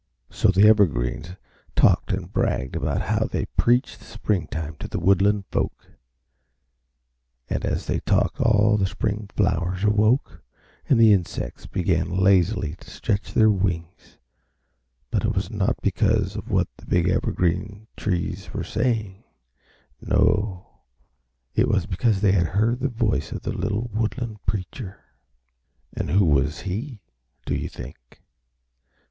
So the Evergreens talked and bragged about how they preached Springtime to the woodland folk, and as they talked all the spring flowers awoke and the insects began lazily to stretch their wings, but it was not because of what the big Evergreen Trees were saying; no, it was because they had heard the voice of the little woodland preacher. And who was he, do you think?